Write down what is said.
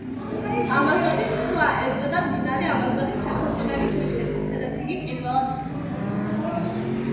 ამაზონის ქვა ეწოდა მდინარე ამაზონის სახელწოდების მიხედვით, სადაც იგი პირველად იპოვეს.